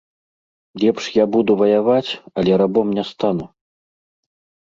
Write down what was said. Лепш я буду ваяваць, але рабом не стану.